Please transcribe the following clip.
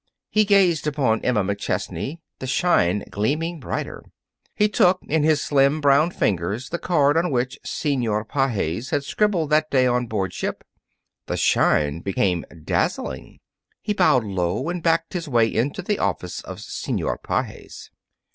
He gazed upon Emma McChesney, the shine gleaming brighter. He took in his slim, brown fingers the card on which Senor Pages had scribbled that day on board ship. The shine became dazzling. He bowed low and backed his way into the office of Senor Pages.